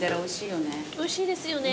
おいしいですよね